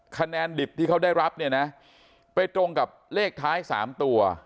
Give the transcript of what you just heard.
คะแนนดิบที่เขาได้รับเนี่ยนะไปตรงกับเลขท้าย๓ตัว